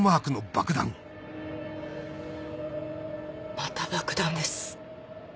また爆弾です。